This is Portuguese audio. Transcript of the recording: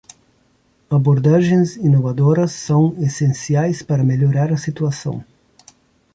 Abordagens inovadoras são essenciais para melhorar a situação.